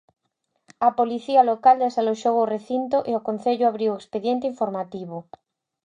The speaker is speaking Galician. A Policía Local desaloxou o recinto e o concello abriu expediente informativo.